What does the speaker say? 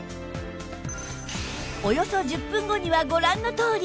およそ１０分後にはご覧のとおり